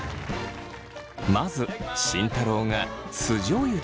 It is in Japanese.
まず慎太郎が酢じょうゆで頂きます。